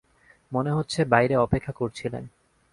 মনে হচ্ছে বাইরে অপেক্ষা করছিলেন।